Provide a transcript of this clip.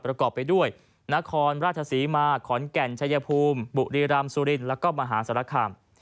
ประกอบไปด้วยนาคอร์นราฐศาสิมาขอนแก่นชัยพูมบุรีรามสุรินทร์และมหาศาลคาม